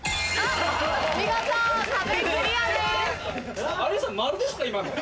見事壁クリアです。